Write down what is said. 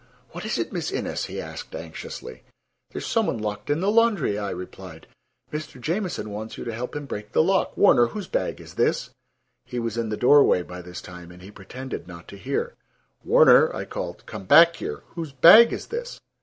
"What is it, Miss Innes?" he asked anxiously. "There is some one locked in the laundry," I replied. "Mr. Jamieson wants you to help him break the lock. Warner, whose bag is this?" He was in the doorway by this time, and he pretended not to hear. "Warner," I called, "come back here. Whose bag is this?"